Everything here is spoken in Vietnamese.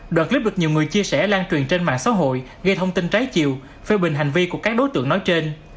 đoạn clip được nhiều người chia sẻ lan truyền trên mạng xã hội gây thông tin trái chiều phê bình hành vi của các đối tượng nói trên